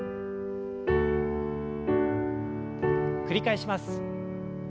繰り返します。